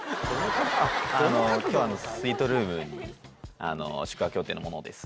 あの今日スイートルームに宿泊予定の者です